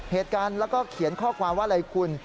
เหตุการณ์แล้วก็เขียนข้อความว่าอะไรคุณ